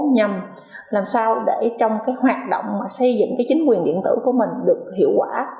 nhằm làm sao để trong cái hoạt động mà xây dựng cái chính quyền điện tử của mình được hiệu quả